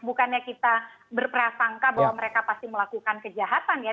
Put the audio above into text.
bukannya kita berprasangka bahwa mereka pasti melakukan kejahatan ya